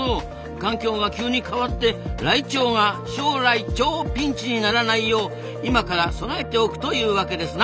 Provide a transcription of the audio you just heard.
環境が急に変わってライチョウが将来超ピンチにならないよう今から備えておくというわけですな。